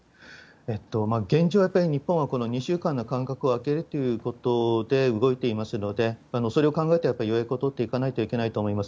現状、やっぱり日本はこの２週間の間隔を空けるということで動いていますので、それを考えてやっぱり予約を取っていかないといけないと思います。